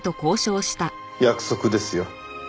約束ですよ。